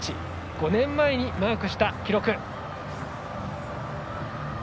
５年前にマークした記録。